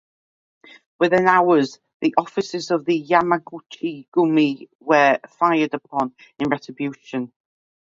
Within hours the offices of the Yamaguchi-gumi were fired upon in retribution.